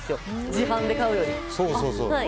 自販機で買うより。